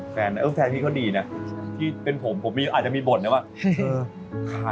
เออแฟนพี่เขาดีนะที่เป็นผมผมอาจจะมีบ่นนะว่า